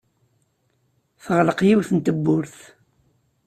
Teɣleq yiwet n tewwurt.